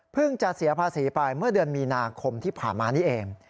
จะเสียภาษีไปเมื่อเดือนมีนาคมที่ผ่านมานี่เอง